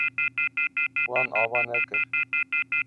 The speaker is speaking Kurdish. Wan ava nekir.